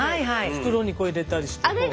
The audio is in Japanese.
袋にこう入れたりしてこう。